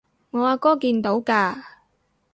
我阿哥見到㗎